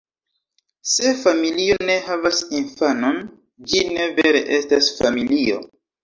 Se familio ne havas infanon, ĝi ne vere estas familio.